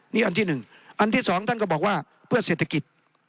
นี่อันที่๑อันที่สองท่านก็บอกว่าเพื่อเศรษฐกิจ